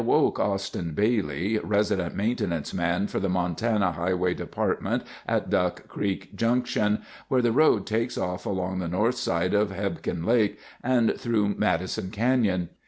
it woke Austin Bailey, resident maintenance man for the Montana Highway Department at Duck Creek Junction—where the road takes off along the north side of Hebgen Lake and through Madison Canyon.